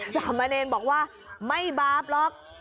สามเณรบอกว่าไม่บาปหรอก